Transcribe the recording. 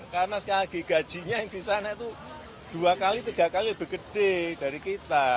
karena sekali lagi gajinya yang di sana itu dua kali tiga kali lebih gede dari kita